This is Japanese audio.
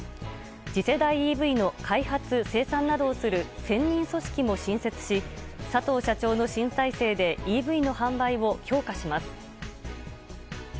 次世代ＥＶの開発・生産などをする専任組織も新設し佐藤社長の新体制でＥＶの販売を強化します。